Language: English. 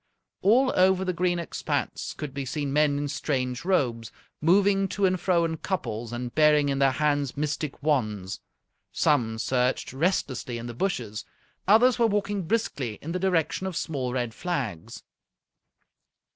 All over the green expanse could be seen men in strange robes, moving to and fro in couples and bearing in their hands mystic wands. Some searched restlessly in the bushes, others were walking briskly in the direction of small red flags.